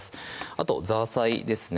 あとザーサイですね